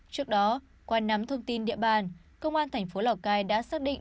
trước đó qua nắm thông tin địa bàn công an thành phố lào cai đã xác định